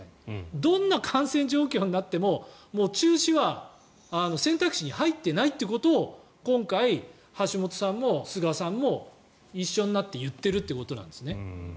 どんな感染状況になっても中止は選択肢に入っていないということを今回、橋本さんも菅さんも一緒になって言っているということなんですね。